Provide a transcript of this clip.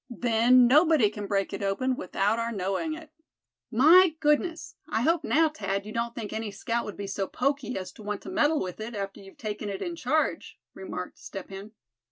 Then nobody can break it open without our knowing it." "My goodness! I hope now, Thad, you don't think any scout would be so pokey as to want to meddle with it, after you've taken it in charge?" remarked Step Hen.